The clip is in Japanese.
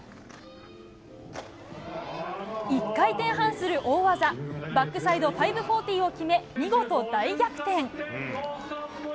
１回転半する大技、バックサイド５４０を決め、見事大逆転。